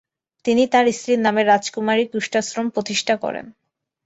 তিনি তাঁর স্ত্রীর নামে রাজকুমারী কুষ্ঠাশ্রম প্রতিষ্ঠা করেন।